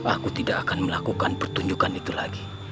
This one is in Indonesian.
aku tidak akan melakukan pertunjukan itu lagi